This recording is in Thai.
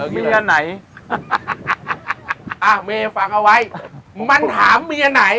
มีอันไหนอะเมฟังเอาไว้มันถามมีอันไหน